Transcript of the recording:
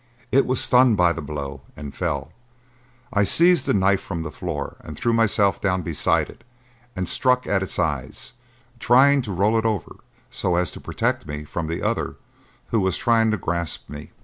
It was stunned by the blow and fell. I seized the knife from the floor, and threw myself down beside it and struck at its eyes, trying to roll it over so as to protect me from the other who was trying to grasp me.